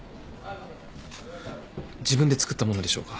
自分で作ったものでしょうか。